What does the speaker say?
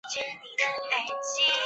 属邕州羁縻。